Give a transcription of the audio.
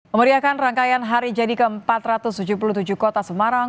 memeriahkan rangkaian hari jadi ke empat ratus tujuh puluh tujuh kota semarang